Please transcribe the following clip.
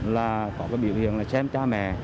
là có biểu hiện là xem cha mẹ